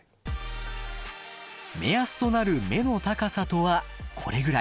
目安となる目の高さとはこれぐらい。